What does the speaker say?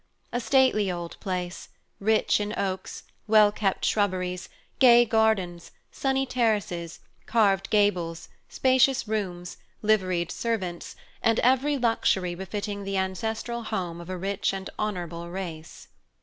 A stately old place, rich in oaks, well kept shrubberies, gay gardens, sunny terraces, carved gables, spacious rooms, liveried servants, and every luxury befitting the ancestral home of a rich and honorable race.